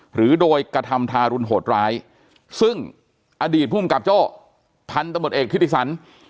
หรือโดยกระทำทารุณโหดร้ายซึ่งอดีตภูมิกับโจ้พันธุ์ตำรวจเอกทิติสัน